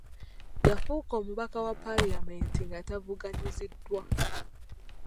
Yafuuka omubaka wa paalamenti nga tavuganyiziddwa.